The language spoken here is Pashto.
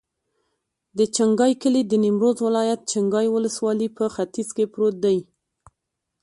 د چنګای کلی د نیمروز ولایت، چنګای ولسوالي په ختیځ کې پروت دی.